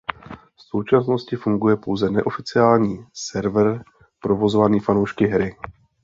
V současnosti funguje pouze neoficiální server provozovaný fanoušky hry.